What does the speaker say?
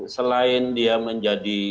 selain dia menjadi